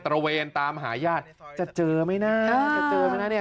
ระเวนตามหาญาติจะเจอไหมนะจะเจอไหมนะเนี่ย